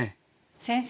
先生